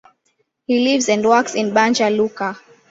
He lives and works in Banja Luka.